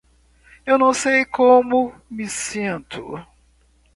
Eu não sei como me sinto